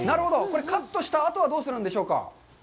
これ、カットしたあとはどうするんでしょうか。